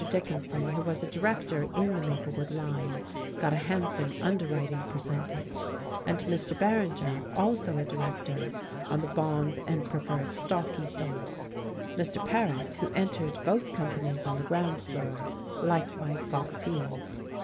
Dickinson, who was a director in the Maplewood line, got a handsome underwriting percentage, and Mr. Berringer, also a director, on the bonds and preferred stock he sold. Mr. Paret, who entered both companies on the ground floor, likewise got fees.